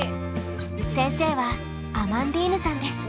先生はアマンディーヌさんです。